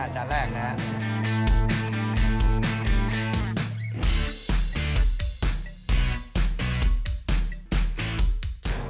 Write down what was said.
จานแรกนะครับ